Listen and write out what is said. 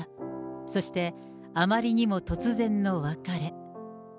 そして、あまりにも突然の別れ。